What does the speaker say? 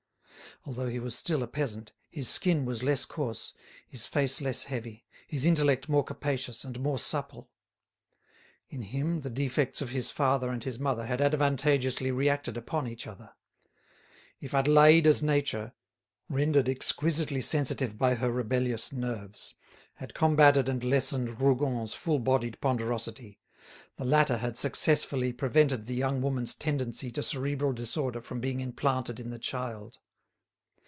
Although he was still a peasant, his skin was less coarse, his face less heavy, his intellect more capacious and more supple. In him the defects of his father and his mother had advantageously reacted upon each other. If Adélaïde's nature, rendered exquisitely sensitive by her rebellious nerves, had combated and lessened Rougon's full bodied ponderosity, the latter had successfully prevented the young woman's tendency to cerebral disorder from being implanted in the child.